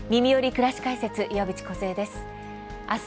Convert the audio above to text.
くらし解説」岩渕梢です。